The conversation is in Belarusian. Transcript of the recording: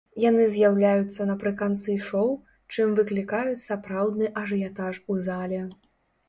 Яны з'яўляюцца напрыканцы шоў, чым выклікаюць сапраўдны ажыятаж у зале.